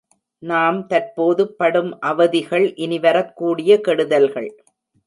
நாம் தற்போது படும் அவதிகள் இனி வரக்கூடிய கெடுதல்கள்.